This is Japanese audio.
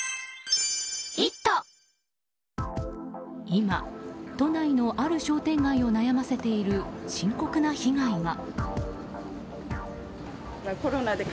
今、都内のある商店街を悩ませている深刻な被害が。